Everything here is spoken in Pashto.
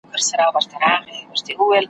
د اولس برخه ,